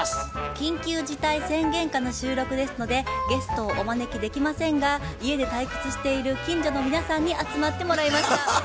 緊急事態宣言下の収録ですのでゲストをお招きできませんが家で退屈している近所の皆さんに集まってもらいました。